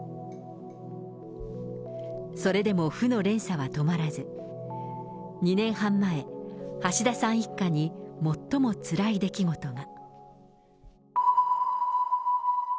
それでも負の連鎖は止まらず、２年半前、橋田さん一家に最もつらい出来事が。